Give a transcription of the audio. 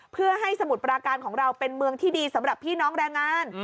เพื่อให้สมุทรปราการของเราเป็นเมืองที่ดีสำหรับพี่น้องแรงงาน